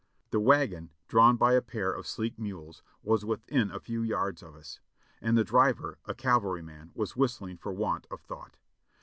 The wagon, drawn by a pair of sleek mules, was within a few yards of us, and the driver, a cavalryman, was whistling for want of thought.